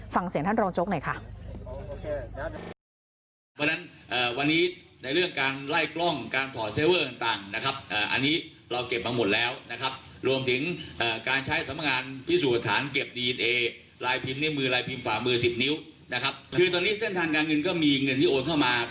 ฟังเสียงท่านรองโจ๊กหน่อยค่ะ